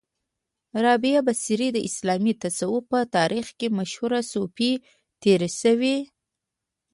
را بعه بصري د اسلامې تصوف په تاریخ کې مشهوره صوفۍ تیره شوی